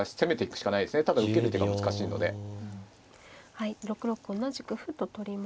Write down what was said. はい６六同じく歩と取りました。